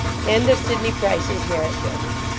(End of Sidney Price's narrative.)